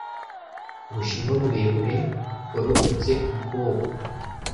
Ubushinwa burebure, bugororotse ubwoko